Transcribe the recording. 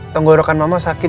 tenggorokan mama sakit